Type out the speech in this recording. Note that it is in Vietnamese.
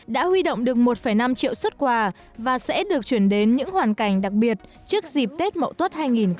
đã huy động được một năm triệu xuất quà và sẽ được chuyển đến những hoàn cảnh đặc biệt trước dịp tết mậu tuất hai nghìn hai mươi